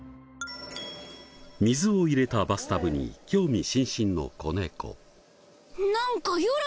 水を入れたバスタブに興味津々の子猫。